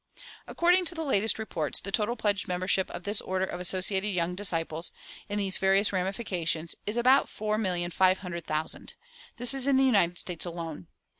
According to the latest reports, the total pledged membership of this order of associated young disciples, in these various ramifications, is about 4,500,000[369:1] this in the United States alone.